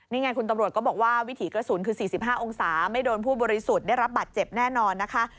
นี่ไงคุณตำรวจก็บอกว่าวิถีกระสุนคือ๔๕องศาไม่โดนผู้บริสุทธิ์ได้รับบัตรเจ็บแน่นอนนะคะ